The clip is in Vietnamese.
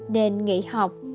đền nghỉ học